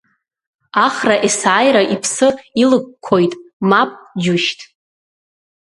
Ахра есааира иԥсы илққоит мап, џьушьҭ!